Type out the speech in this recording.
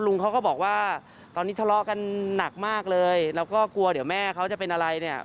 ลุงเขาก็บอกว่าตอนนี้ทะเลาะกันหนักมากเลยแล้วก็กลัวเดี๋ยวแม่เขาจะเป็นอะไรเนี่ย